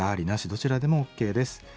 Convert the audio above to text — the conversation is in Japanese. どちらでもＯＫです。